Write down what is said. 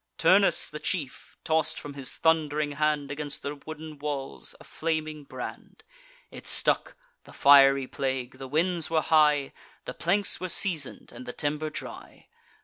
Turnus, the chief, toss'd from his thund'ring hand Against the wooden walls, a flaming brand: It stuck, the fiery plague; the winds were high; The planks were season'd, and the timber dry.